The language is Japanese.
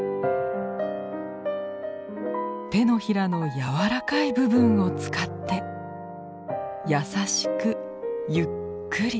手のひらの柔らかい部分を使って優しくゆっくり。